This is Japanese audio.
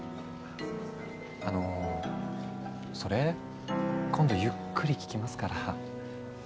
あのそれ今度ゆっくり聞きますから。